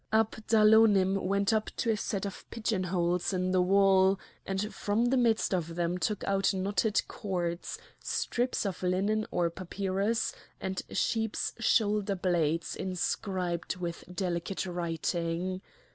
Abdalonim went up to a set of pigeon holes in the wall, and from the midst of them took out knotted cords, strips of linen or papyrus, and sheeps' shoulder blades inscribed with delicate writing.